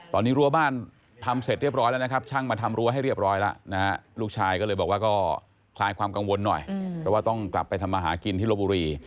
ถึงเวลากลับไปดู